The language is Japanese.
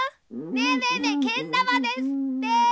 ねえねえねえけんだまですって！